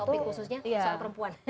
topik khususnya soal perempuan